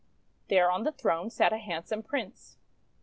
There on the throne sat a handsome Prince.